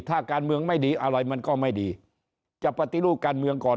ถ้าการเมืองไม่ดีอะไรมันก็ไม่ดีจะปฏิรูปการเมืองก่อน